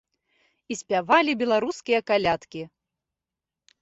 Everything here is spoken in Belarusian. І спявалі беларускія калядкі!